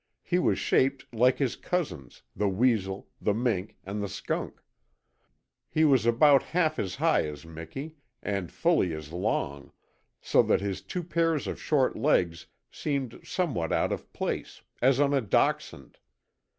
He was shaped like his cousins, the weazel, the mink, and the skunk. He was about half as high as Miki, and fully as long, so that his two pairs of short legs seemed somewhat out of place, as on a dachshund.